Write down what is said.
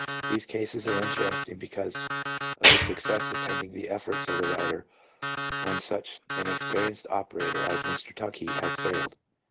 These cases are interesting because of the success attending the efforts of the writer when such an experienced operator as Mr. Tuckey has failed.